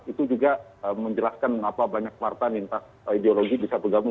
itu juga menjelaskan mengapa banyak partai lintas ideologi bisa bergabung